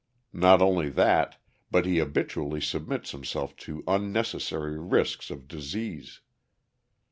Not only that, but he habitually submits himself to unnecessary risks of disease.